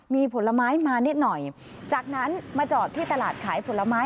มีผลไม้มานิดหน่อยจากนั้นมาจอดที่ตลาดขายผลไม้